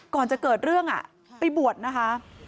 ก่อนจะเกิดเรื่องไปบวชนะคะ